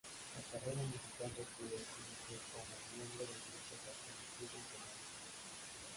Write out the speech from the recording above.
La carrera musical de Priest inició como miembro del grupo Saxon Studio International.